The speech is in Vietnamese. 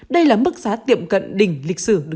đây là mức giá tiệm cận đỉnh lịch sử